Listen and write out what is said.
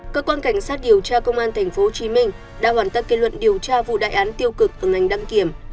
cơ quan cảnh sát điều tra công an tp hcm đã hoàn tất kết luận điều tra vụ đại án tiêu cực ở ngành đăng kiểm